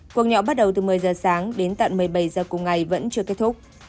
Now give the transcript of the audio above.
cuộc nhỏ bắt đầu từ một mươi giờ sáng đến tận một mươi bảy giờ cùng ngày vẫn chưa kết thúc